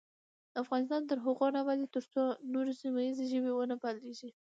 افغانستان تر هغو نه ابادیږي، ترڅو نورې سیمه ییزې ژبې ونه پالیږي.